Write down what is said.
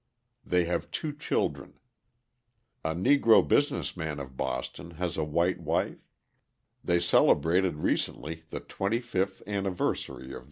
They have two children. A Negro business man of Boston has a white wife; they celebrated recently the twenty fifth anniversary of their marriage.